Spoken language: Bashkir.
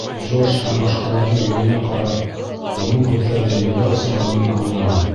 Джордж һәм башҡаларҙың йөҙөнә ҡарап, уның һүҙҙәре елгә осмағанын аңланым.